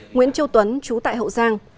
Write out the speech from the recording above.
nguyễn châu tuấn chú tại hậu giang